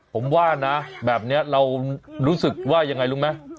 ผมว่าน่ะแบบเนี่ยรู้สึกว่าอย่างไรลุงมั้ย